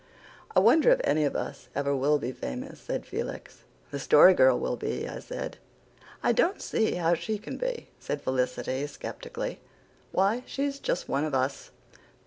"I wonder if any of us ever will be famous," said Felix. "The Story Girl will be," I said. "I don't see how she can be," said Felicity skeptically. "Why, she's just one of us."